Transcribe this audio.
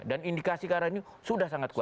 dan indikasi karena ini sudah sangat kuat